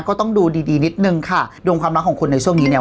ก็ต้องดูดีดีนิดนึงค่ะดวงความรักของคุณในช่วงนี้เนี่ย